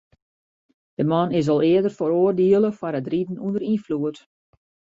De man is al earder feroardiele foar it riden ûnder ynfloed.